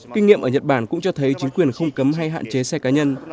kinh nghiệm ở nhật bản cũng cho thấy chính quyền không cấm hay hạn chế xe cá nhân